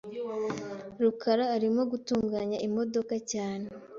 rukara arimo gutunganya imodoka cyane.